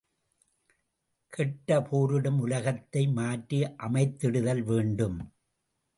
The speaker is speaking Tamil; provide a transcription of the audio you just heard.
கெட்ட போரிடும் உலகத்தை மாற்றி அமைத்திடுதல் வேண்டும்.